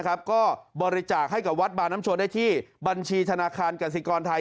ก็บริจาคให้กับวัดบาน้ำชนได้ที่บัญชีธนาคารกสิกรไทย